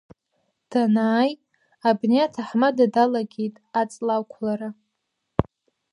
Данааи, абни аҭаҳмада далагеит аҵла ақәлара.